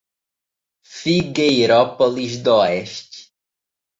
Figueirópolis d'Oeste